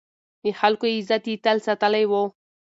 د خلکو عزت يې تل ساتلی و.